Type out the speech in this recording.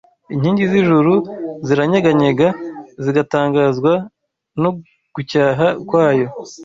Inkingi z’ijuru ziranyeganyega, zigatangazwa no gucyaha kwayo